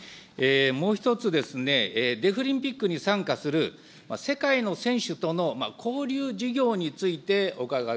もう１つですね、デフリンピックに参加する世界の選手との交流事業についてお伺い